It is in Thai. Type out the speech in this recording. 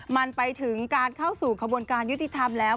มันไปถึงการเข้าสู่กระบวนการยุติธรรมแล้ว